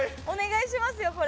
お願いしますよ